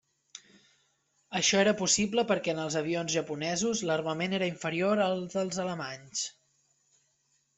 Axó era possible perquè, en els avions japonesos, l'armament era inferior al dels alemanys.